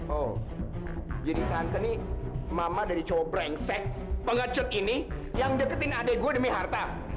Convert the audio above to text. oh jadi tante ini mama dari copreng saya pengecut ini yang deketin adik gue demi harta